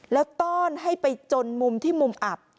แล้วต้อนให้ไปจนมุมที่มุมอับ